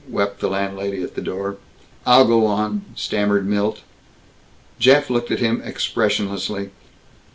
wept the landlady, at the door. "I'll go on," stammered Milt. Jeff looked at him expressionlessly.